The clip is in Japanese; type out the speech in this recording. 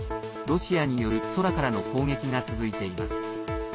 ロシアによる空からの攻撃が続いています。